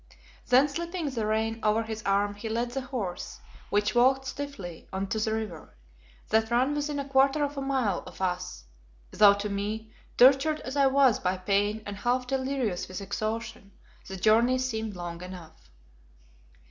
Then slipping the rein over his arm he led the horse, which walked stiffly, on to the river, that ran within a quarter of a mile of us, though to me, tortured as I was by pain and half delirious with exhaustion, the journey seemed long enough.